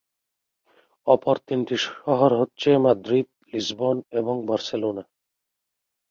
অপর তিনটি শহর হচ্ছে, মাদ্রিদ, লিসবন, এবং বার্সেলোনা।